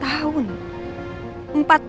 tapi butuh empat tahun